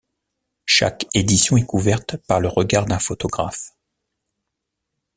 Chaque édition est couverte par le regard d'un photographe.